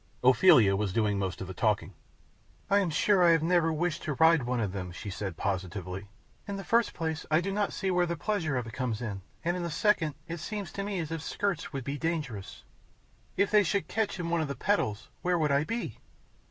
Ophelia was doing most of the talking. "I am sure I have never wished to ride one of them," she said, positively. "In the first place, I do not see where the pleasure of it comes in, and, in the second, it seems to me as if skirts must be dangerous. If they should catch in one of the pedals, where would I be?"